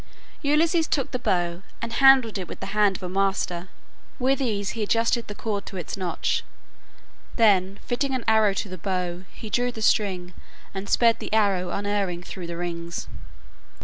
Ulysses took the bow, and handled it with the hand of a master. With ease he adjusted the cord to its notch, then fitting an arrow to the bow he drew the string and sped the arrow unerring through the rings.